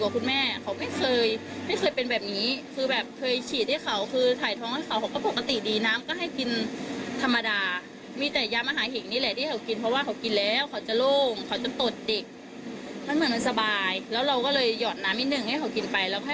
แต่เราไม่รู้สาเหตุว่าเขาเป็นอะไรอื่น